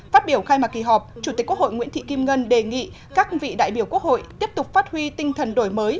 phát biểu khai mạc kỳ họp chủ tịch quốc hội nguyễn thị kim ngân đề nghị các vị đại biểu quốc hội tiếp tục phát huy tinh thần đổi mới